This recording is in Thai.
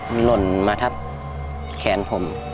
หล่นมาทับแขนผม